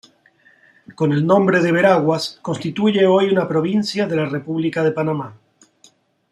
Con el nombre de Veraguas, constituye hoy una provincia de la República de Panamá.